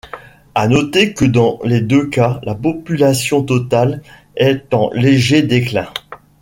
À noter que dans les deux cas la population totale est en léger déclin.